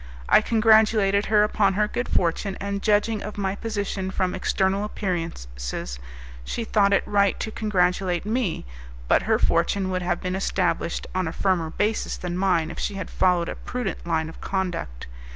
I congratulated her upon her good fortune, and judging of my position from external appearances, she thought it right to congratulate me, but her fortune would have been established on a firmer basis than mine if she had followed a prudent line of conduct.